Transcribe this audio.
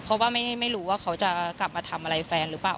เพราะว่าไม่รู้ว่าเขาจะกลับมาทำอะไรแฟนหรือเปล่า